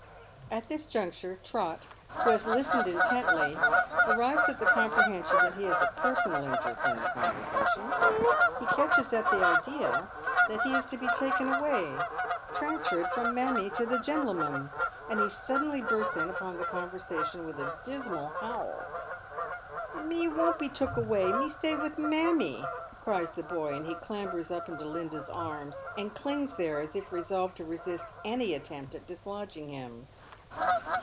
At this juncture Trot, who has listened intentlj', anives at the comprehension that he has a personal interest in the conver sation. He catches at the idea that he is to be taken away transferred from mammie to the genlamum, and he suddenly bursts in upon the conversation with a dismal howl 278 Dead Men's Shoeu " Me won't be took away ; me stay with mammie," cries the hoj, and he clambers up into Linda's arms, and clings theje aa if resolved to resist any attempt at dislodging him.